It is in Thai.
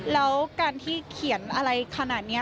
แล้วการที่เขียนอะไรขนาดนี้